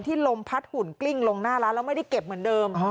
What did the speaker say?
ลมพัดหุ่นกลิ้งลงหน้าร้านแล้วไม่ได้เก็บเหมือนเดิม